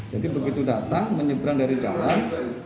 jadi begitu datang menyeberang dari jalan